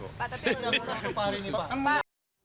pak tapi sudah melaksanakan hari ini pak